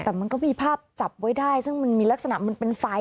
แต่มันก็มีภาพจับไว้ได้ซึ่งมันมีลักษณะมันเป็นไฟ